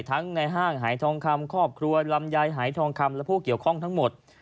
ในห้างหายทองคำครอบครัวลำไยหายทองคำและผู้เกี่ยวข้องทั้งหมด